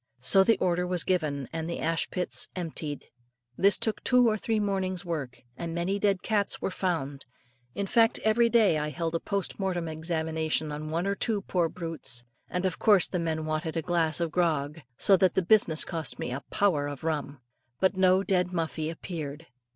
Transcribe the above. So the order was given, and the ash pits emptied. This took two or three mornings' work, and many dead cats were found; in fact, every day I held a post mortem examination on one or two poor brutes, and of course the men wanted a glass of grog; so that the business cost me "a power" of rum. But no dead Muffie appeared.